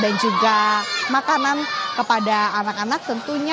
dan juga makanan kepada anak anak tentunya